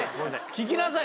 聞きなさい